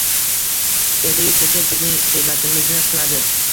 Erta-yu kecha bizning g‘iybatimizni qiladi.